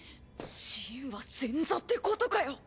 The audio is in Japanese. シンは前座ってことかよ！？